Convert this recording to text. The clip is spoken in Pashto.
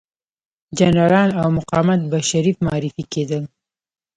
جنرالان او مقامات به شریف معرفي کېدل.